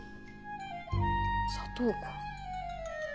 砂糖か。